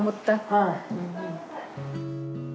はい。